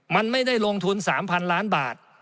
มันไม่ได้ลงทุน๓๐๐๐ล้านบาท